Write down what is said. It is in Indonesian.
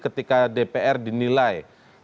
ketika dpr dinilai